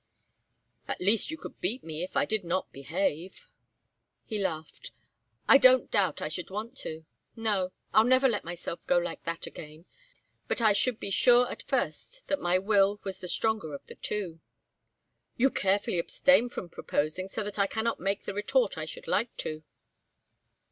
"At least you could beat me if I did not behave." He laughed. "I don't doubt I should want to. No, I'll never let myself go like that again; but I should be sure first that my will was the stronger of the two." "You carefully abstain from proposing so that I cannot make the retort I should like to."